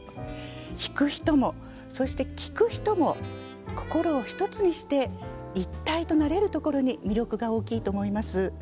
弾く人もそして聴く人も心を一つにして一体となれるところに魅力が大きいと思います。